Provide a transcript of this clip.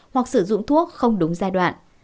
hoặc sử dụng thuốc không đúng giai đoạn